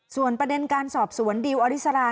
ส่วนประเด็นการสอบสวนดิวอริสรา